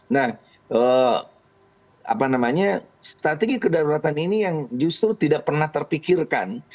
nah strategi kedaruratan ini yang justru tidak pernah terpikirkan